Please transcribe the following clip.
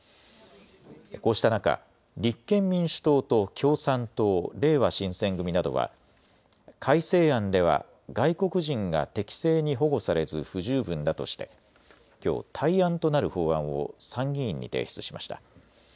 こうした中、立憲民主党と共産党、れいわ新選組などは改正案では外国人が適正に保護されず不十分だとしてきょう対案となる法案を参議院に提出しました。